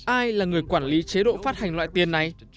ai là người quản lý chế độ phát hành loại tiền này